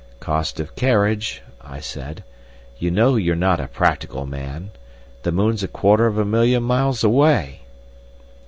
"Cost of carriage," I said. "You know you're not a practical man. The moon's a quarter of a million miles away."